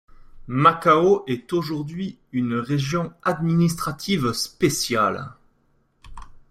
Macao est aujourd'hui une région administrative spéciale.